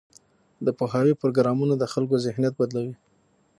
د پوهاوي پروګرامونه د خلکو ذهنیت بدلوي.